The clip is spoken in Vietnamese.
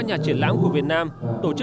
hoặc là văn hóa